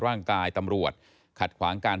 ร่างกายตำรวจขัดขวางการ